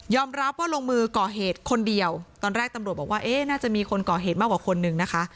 รับว่าลงมือก่อเหตุคนเดียวตอนแรกตำรวจบอกว่าเอ๊ะน่าจะมีคนก่อเหตุมากกว่าคนนึงนะคะ